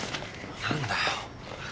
何だよ？